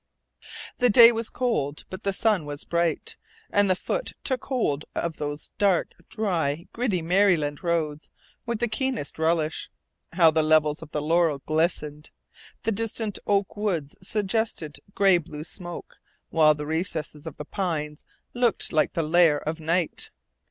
The day was cold but the sun was bright, and the foot took hold of those hard, dry, gritty Maryland roads with the keenest relish. How the leaves of the laurel glistened! The distant oak woods suggested gray blue smoke, while the recesses of the pines looked like the lair of Night.